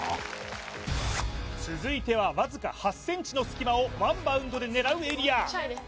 続いてはわずか８ｃｍの隙間をワンバウンドで狙うエリア